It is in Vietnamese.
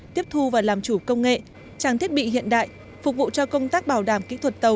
tiếp thu và làm chủ công nghệ trang thiết bị hiện đại phục vụ cho công tác bảo đảm kỹ thuật tàu